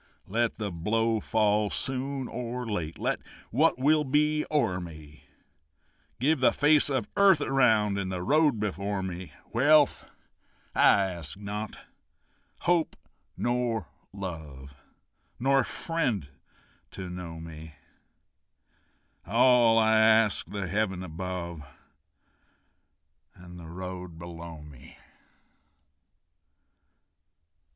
Let the blow fall soon or late, Let what will be o'er me; Give the face of earth around, And the road before me. Wealth I ask not, hope nor love, Nor a friend to know me; All I ask, the heaven above And the road below me.